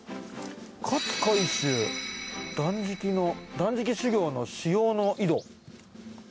勝海舟断食の断食修業の使用の井戸。